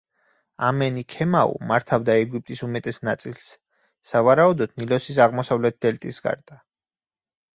ამენი ქემაუ მართავდა ეგვიპტის უმეტეს ნაწილს, სავარაუდოდ ნილოსის აღმოსავლეთ დელტის გარდა.